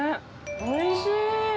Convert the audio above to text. おいしい。